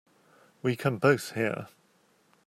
We can both hear.